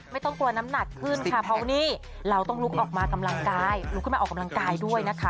ไม่ต้องกลัวน้ำหนักขึ้นค่ะเพราะวันนี้เราต้องลุกออกมากำลังกาย